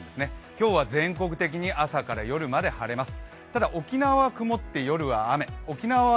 今日は全国的に朝から夜まで晴れます。